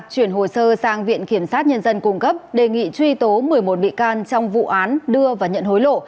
chuyển hồ sơ sang viện kiểm sát nhân dân cung cấp đề nghị truy tố một mươi một bị can trong vụ án đưa và nhận hối lộ